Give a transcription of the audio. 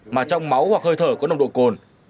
mà trong máu hoặc hơi thở có nồng độ cồn